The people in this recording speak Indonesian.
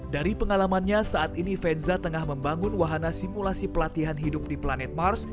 dari pengalamannya saat ini venza tengah membangun wahana simulasi pelatihan hidup di planet mars